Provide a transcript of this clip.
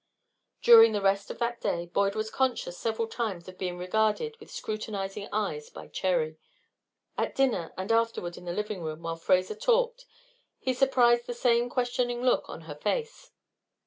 During the rest of that day Boyd was conscious several times of being regarded with scrutinizing eyes by Cherry. At dinner, and afterward in the living room while Fraser talked, he surprised the same questioning look on her face.